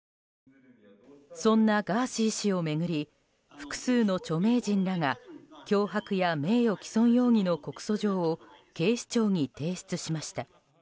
そんなガーシー氏を巡り複数の著名人らが脅迫や名誉棄損容疑の告訴状を警視庁に提出しました。